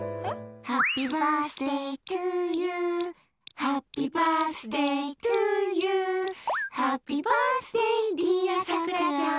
ハッピーバースデートゥーユーハッピーバースデートゥーユーハッピバースデーディアさくらちゃん。